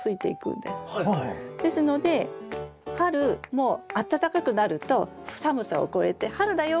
ですので春もう暖かくなると寒さを越えて春だよ